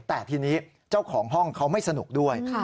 แต่ทีนี้เจ้าของห้องเขาไม่สนุกด้วย